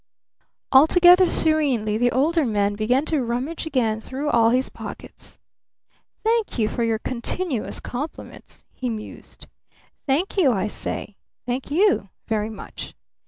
Altogether serenely the Older Man began to rummage again through all his pockets. "Thank you for your continuous compliments," he mused. "Thank you, I say. Thank you very much.